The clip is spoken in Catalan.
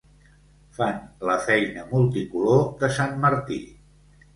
Fan la feina multicolor de sant Martí.